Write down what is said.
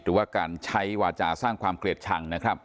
หรือว่าการใช้วาจาสร้างความเกลียดชังนะครับ